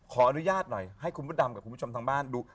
ขออนุญาตหน่อยให้คุณมดดำกับคุณผู้ชมทางบ้านดู